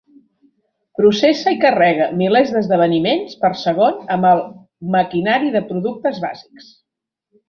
Processa i carrega milers d'esdeveniments per segon amb el maquinari de productes bàsics.